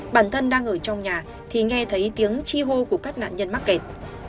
bản thân đang ở trong nhà thì nghe thấy tiếng chi hô của các nạn nhân mắc kẹt